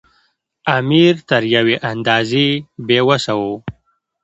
امیر تر یوې اندازې بې وسه وو.